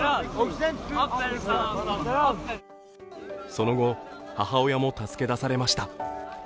その後、母親も助け出されました